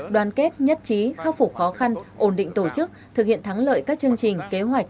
đoàn kết nhất trí khắc phục khó khăn ổn định tổ chức thực hiện thắng lợi các chương trình kế hoạch